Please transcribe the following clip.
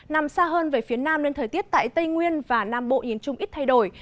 nằm xa hơn về phía nam nên thời tiết tại tây nguyên và nam bộ nhìn chung ít thay đổi